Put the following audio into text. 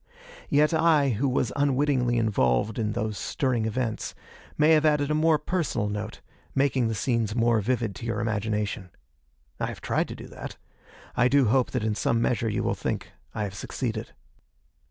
Yet I, who was unwittingly involved in those stirring events, may have added a more personal note, making the scenes more vivid to your imagination. I have tried to do that. I do hope that in some measure you will think I have succeeded.